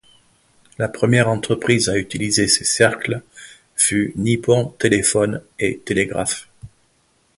La première entreprise à utiliser ces cercles fut Nippon Telephone & Telegraph.